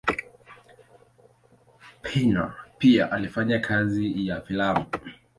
Payn pia alifanya kazi ya filamu.